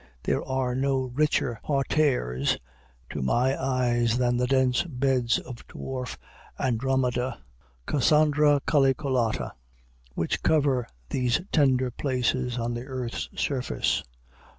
There are no richer parterres to my eyes than the dense beds of dwarf andromeda (Cassandra calyculata) which cover these tender places on the earth's surface.